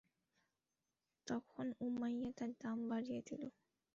তখন উমাইয়া তার দাম বাড়িয়ে দিল।